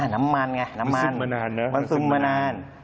น้ำมันไงมันซึมมานาน